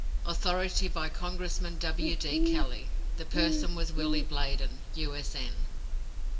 (Authority: Congressman W. D. Kelley; the person was Willie Bladen, U. S. N.)